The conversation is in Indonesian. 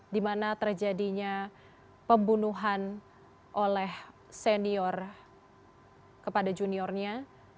di mana terjadinya pembunuhan oleh senior kepada juniornya